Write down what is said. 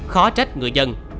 khó trách người dân